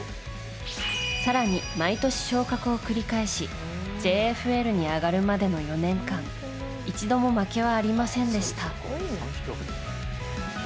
更に毎年昇格を繰り返しＪＦＬに上がるまでの４年間一度も負けはありませんでした。